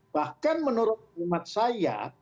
bahkan menurut hemat saya